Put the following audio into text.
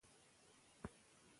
خر په پوه سوچی لېوه یې غوښي غواړي